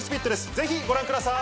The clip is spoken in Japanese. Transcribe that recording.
ぜひご覧ください！